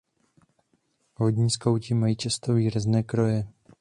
Vodní skauti mají často výrazné kroje.